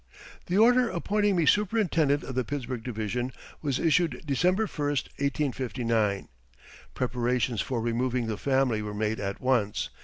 The order appointing me superintendent of the Pittsburgh Division was issued December 1, 1859. Preparations for removing the family were made at once.